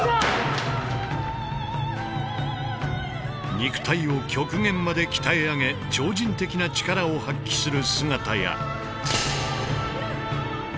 肉体を極限まで鍛え上げ超人的な力を発揮する姿や。